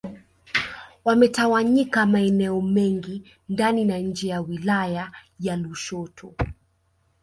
Wametawanyika maeneo mengi ndani na nje ya wilaya ya Lushoto